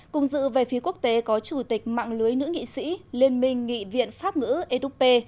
cùng dự về phía quốc tế có chủ tịch mạng lưới nữ nghị sĩ liên minh nghị viện pháp ngữ edup